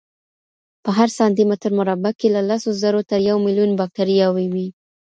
په هر سانتي متر مربع کې له لسو زرو تر یو میلیون باکتریاوې وي.